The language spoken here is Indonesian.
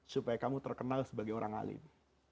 supaya kamu terkenal sebagai orang alim